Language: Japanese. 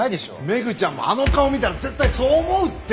メグちゃんもあの顔見たら絶対そう思うって！